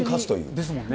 ですもんね。